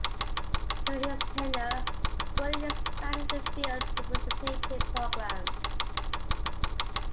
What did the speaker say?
During his tenure, Gourley expanded the Field Representative program.